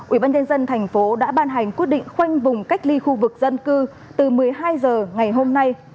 ủy ban nhân dân thành phố đã ban hành quyết định khoanh vùng cách ly khu vực dân cư từ một mươi hai h ngày hôm nay